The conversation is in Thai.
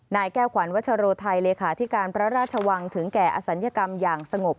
นายแก้วขวัญวัชโรไทยเลขาธิการพระราชวังถึงแก่อศัลยกรรมอย่างสงบ